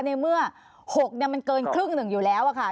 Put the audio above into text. ในเมื่อ๖เนี่ยมันเกินครึ่ง๑อยู่แล้วอะค่ะ